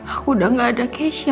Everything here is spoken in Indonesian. aku udah nggak ada kesha